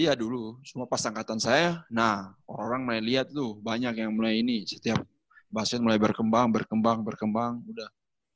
iya dulu semua pas angkatan saya nah orang mulai lihat tuh banyak yang mulai ini setiap basket mulai berkembang berkembang udah